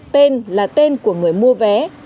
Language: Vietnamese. tên là tên của người mua vé